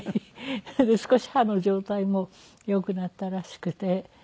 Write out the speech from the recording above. それで少し歯の状態も良くなったらしくて。